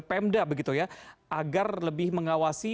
pemda begitu ya agar lebih mengawasi